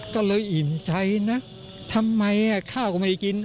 ก็เลยอิ่มใจนะทำไมข้าวก็ไม่ได้กิน